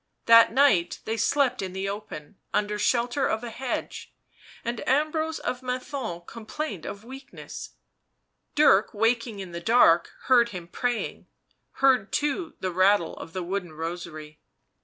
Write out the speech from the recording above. That night they slept in the open, under shelter of a hedge, and Ambrose of Menthon complained of weakness ; Dirk, waking in the dark, heard him praying ... heard, too, the rattle of the wooden rosary.